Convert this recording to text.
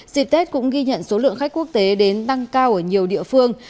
dịp tết cũng ghi nhận số lượng khách quốc tế đến tăng cao ở nhiều địa phương